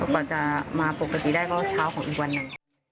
กว่าจะมาปกติได้ก็เช้าของอีกวันหนึ่ง